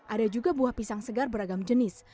ada juga buah pisang segar beragam jenis